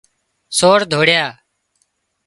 سور ڌوڙيا